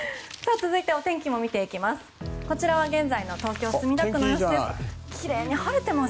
続いて、お天気も見ていきます。